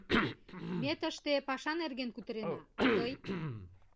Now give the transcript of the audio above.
— Ме тыште паша нерген кутырена, а тый...